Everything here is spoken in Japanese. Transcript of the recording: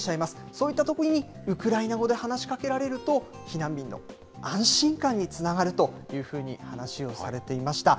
そういったときにウクライナ語で話しかけられると、避難民の安心感につながるというふうに話をされていました。